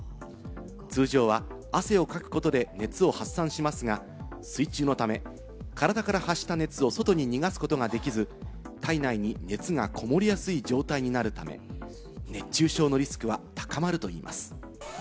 通常は汗をかくことで熱を発散しますが、水中のため、体から発した熱を外に逃がすことができず、体内に熱がこもりやすい状態になるため熱中症のリスクは高まるといいます。